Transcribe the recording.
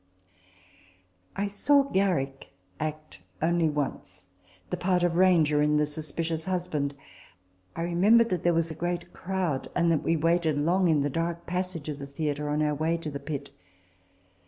I saw Garrick act only once, the part of Ranger in The Suspicious Husband. I remember that there was a great crowd, and that we waited long in a 4 RECOLLECTIONS OF THE dark passage of the theatre, on our way to the pit.